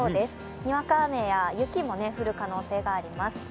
にわか雨や雪も降る可能性があります。